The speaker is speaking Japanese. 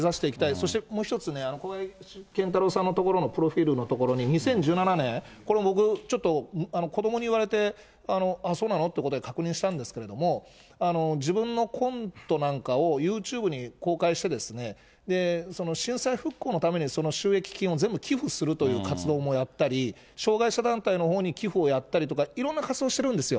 そしてもう１つね、小林賢太郎さんのところのプロフィールのところに、２０１７年、これ僕、ちょっと子どもに言われて、あ、そうなの？っていうことで確認したんですけれども、自分のコントなんかをユーチューブに公開してですね、震災復興のために、収益金を全部寄付するという活動もやったり、障害者団体のほうに寄付をやったりとか、いろんな活動してるんですよ。